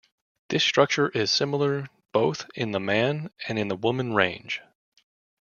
This structure is similar both in the man and in the woman range.